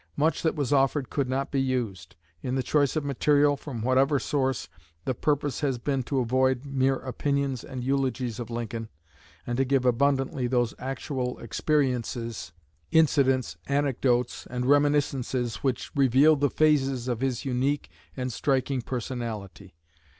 Much that was offered could not be used. In the choice of material, from whatever source, the purpose has been to avoid mere opinions and eulogies of Lincoln and to give abundantly those actual experiences, incidents, anecdotes, and reminiscences which reveal the phases of his unique and striking personality.